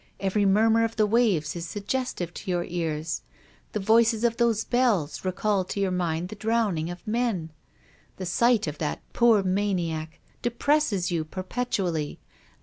Every murmur of the waves is suggestive to your ears. The voices of those bells recall to your mind the drowning of men. The sight of that poor maniac depresses you perpetually.